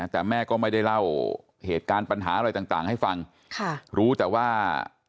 แต่แม่ก็ไม่ได้เล่าเหตุการณ์ปัญหาอะไรต่างให้ฟังค่ะรู้แต่ว่า